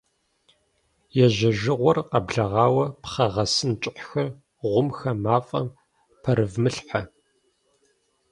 Ежьэжыгъуэр къэблэгъауэ пхъэ гъэсын кӀыхьхэр, гъумхэр мафӀэм пэрывмылъхьэ.